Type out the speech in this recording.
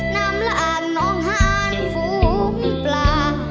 น้ำลากน้องหานฟุ้งปลา